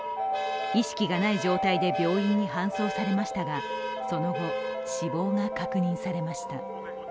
意識がない状態で病院に搬送されましたが、その後、死亡が確認されました。